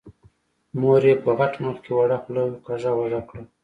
مور يې په غټ مخ کې وړه خوله کږه وږه کړه.